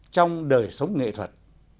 trong đời sống nghệ thuật